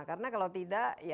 karena kalau tidak